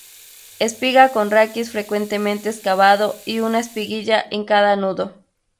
Espiga con raquis frecuentemente excavado y una espiguilla en cada nudo.